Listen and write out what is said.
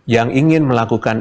yang ingin melakukan